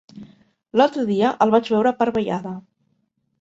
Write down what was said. L'altre dia el vaig veure per Vallada.